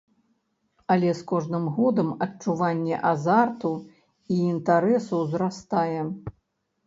Але з кожным годам адчуванне азарту і інтарэсу ўзрастае.